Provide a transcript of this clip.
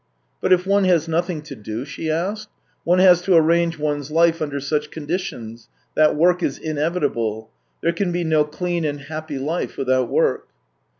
" But if one has nothing to do ?" she asked. " One has to arrange one's life under such 198 THE TALES OF TCHEHOV conditions, that work is inevitable. There can be no clean and happy life without work."